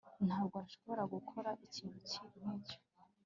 ntabwo nshobora gukora ikintu nkicyo